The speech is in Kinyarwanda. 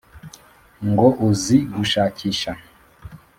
ngo uzi gushakisha